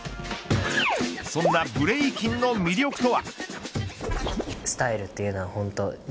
そんなブレイキンの魅力とは。